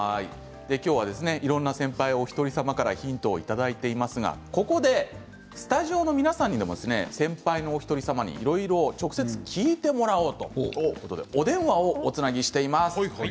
今日はいろんな先輩おひとりさまからヒントをいただいていますがここでスタジオの皆さんに先輩のおひとりさまにいろいろ直接聞いてもらおうということでお電話をおつなぎしています。